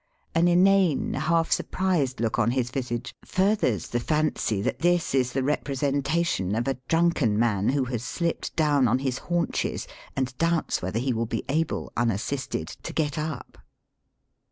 An inane, half surprised look on his visage furthers the fancy that this is the representation of a drunken man, who has sUpped down on his haunches and doubts whether he will be able, unassisted, to get up.